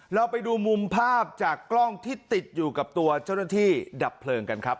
เราไปดูมุมภาพจากกล้องที่ติดอยู่กับตัวเจ้าหน้าที่ดับเพลิงกันครับ